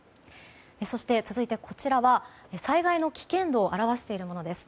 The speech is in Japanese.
そして、続いてこちらは災害の危険度を表しているものです。